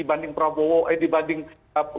dibanding ganjar prabowo